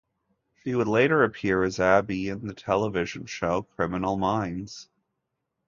She would later appear as Abby in the television show Criminal Minds.